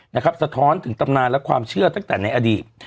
สะท้อนถึงตำนานและความเชื่อตั้งแต่ในอดีต